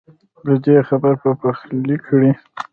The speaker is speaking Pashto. ددې خبر پخلی کړی